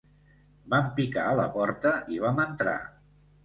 Vam picar a la porta i vam entrar.